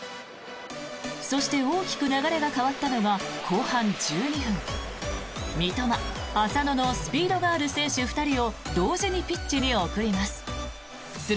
そして、大きく流れが変わったのが後半１２分三笘、浅野のスピードがある選手２人を同時にピッチに送ります。